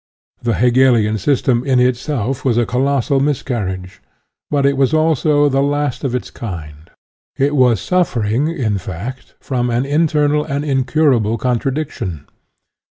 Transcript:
The UTOPIAN AND SCIENTIFIC 87 Hegelian system, in itself, was a colossal miscarriage but it was also the last of its kind. It was suffering, in fact, from an internal and incurable contradiction.